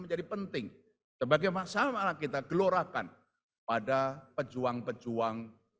menjadi penting sebagai masalah kita gelorakan pada pejuang pejuang dulu dan yang kedua adalah